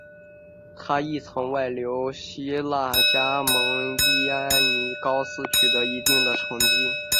他亦曾外流希腊加盟伊安尼高斯取得一定的成绩。